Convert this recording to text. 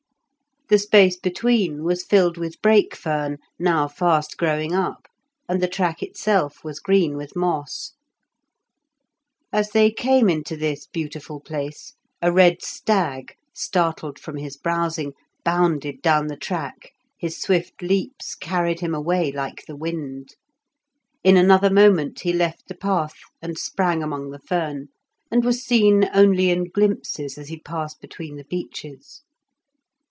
The space between was filled with brake fern, now fast growing up, and the track itself was green with moss. As they came into this beautiful place a red stag, startled from his browsing, bounded down the track, his swift leaps carried him away like the wind; in another moment he left the path and sprang among the fern, and was seen only in glimpses as he passed between the beeches.